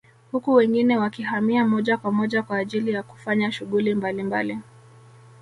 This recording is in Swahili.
Huku wengine wakihamia moja kwa moja kwa ajili ya kufanya shughuli mbalimbali